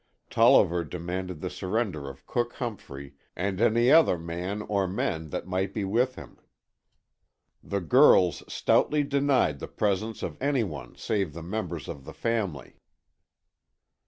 Tolliver demanded the surrender of Cook Humphrey and any other man or men that might be with him. The girls stoutly denied the presence of any one save the members of the family.